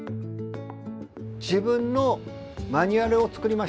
自分のマニュアルを作りました。